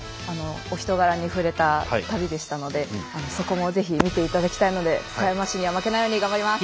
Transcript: お人柄に触れた旅でしたのでそこもぜひ見ていただきたいので狭山市には負けないように頑張ります。